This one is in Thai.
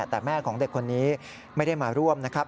แต่แม่ของเด็กคนนี้ไม่ได้มาร่วมนะครับ